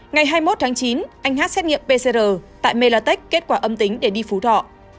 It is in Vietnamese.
ngày hai mươi một tháng chín anh hát xét nghiệm pcr tại melatech kết quả âm tính để đi phú thọ